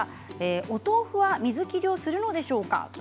お豆腐は水切りをするのでしょうか？